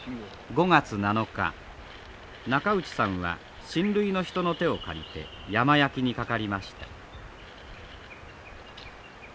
５月７日中内さんは親類の人の手を借りて山焼きにかかりました。